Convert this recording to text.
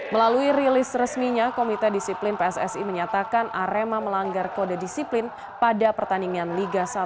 melalui rilis resminya komite disiplin pssi menyatakan arema melanggar kode disiplin pada pertandingan liga satu